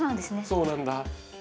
そうなんだ。